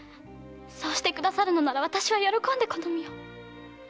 〔そうしてくださるのなら私は喜んでこの身を〕